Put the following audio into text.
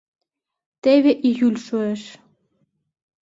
Теве июль шуэш.